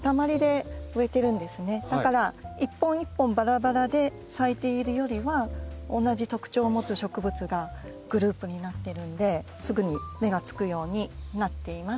だから一本一本ばらばらで咲いているよりは同じ特徴を持つ植物がグループになってるんですぐに目がつくようになっています。